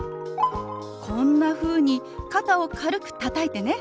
こんなふうに肩を軽くたたいてね。